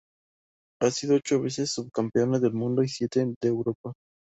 Ha sido ocho veces subcampeona del mundo y siete de Europa.